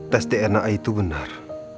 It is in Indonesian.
tes dna itu benar